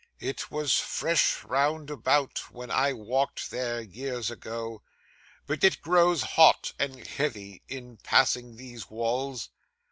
It was fresh round about, when I walked there, years ago; but it grows hot and heavy in passing these walls.